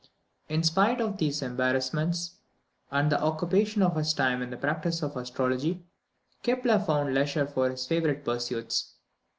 In spite of these embarrassments, and the occupation of his time in the practice of astrology, Kepler found leisure for his favourite pursuits.